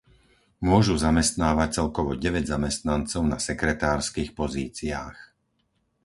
Môžu zamestnávať celkovo deväť zamestnancov na sekretárskych pozíciách.